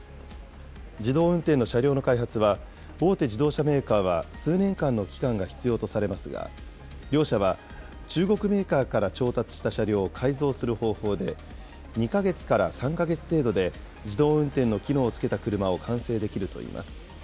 自動運転の車両の開発は、大手自動車メーカーは数年間の期間が必要とされますが、両社は中国メーカーから調達した車両を改造する方法で、２か月から３か月程度で自動運転の機能を付けた車を完成できるといいます。